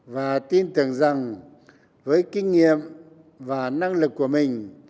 và tin tưởng rằng với kinh nghiệm và năng lực của mình